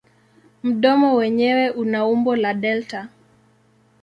Mdomo wenyewe una umbo la delta.